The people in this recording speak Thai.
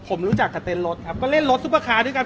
ผมรู้จักกับเต้นรถครับก็เล่นรถซุปเปอร์คาร์ด้วยกัน